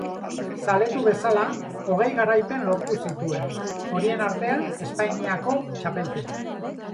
Zaletu bezala hogei garaipen lortu zituen, horien artean Espainiako txapelketa.